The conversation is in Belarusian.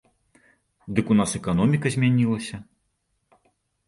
Дык у нас эканоміка змянілася.